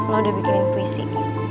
lu udah bikinin puisi